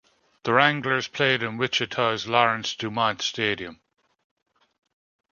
The Wranglers played in Wichita's Lawrence-Dumont Stadium.